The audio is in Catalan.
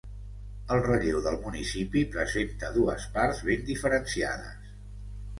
El relleu del municipi presenta dues parts bé diferenciades.